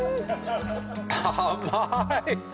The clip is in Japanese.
甘い。